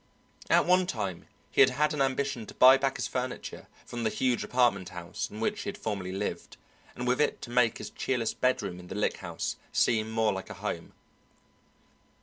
At one time he had had an ambition to buy back his furniture from the huge apartment house in which he had formerly lived, and with it to make his cheerless bedroom in the Lick House seem more like a home.